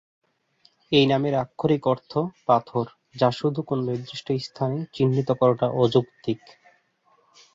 এই নামের আক্ষরিক অর্থ "পাথর" যা শুধু কোন নির্দিষ্ট স্থানে চিহ্নিত করাটা অযৌক্তিক।